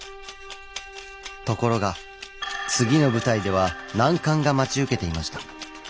ところが次の舞台では難関が待ち受けていました。